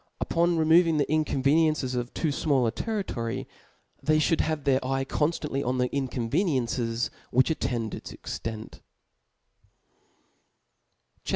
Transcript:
Upon removing the incon veniencies of too fmall a territory, they fliould have their eye conftantly on the incoftvenicncic^ which attend its extent* CHAP.